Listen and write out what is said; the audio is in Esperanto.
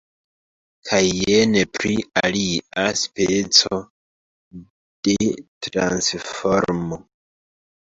Kaj jen pri alia speco de transformo.